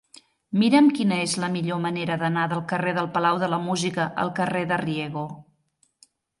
Mira'm quina és la millor manera d'anar del carrer del Palau de la Música al carrer de Riego.